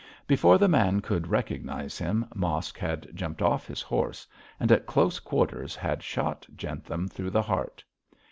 Before the man could recognise him, Mosk had jumped off his horse; and, at close quarters, had shot Jentham through the heart.